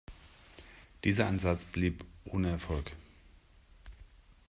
Dieser Ansatz blieb ohne Erfolg.